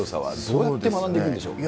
どうやって学んでいくんでしょうか。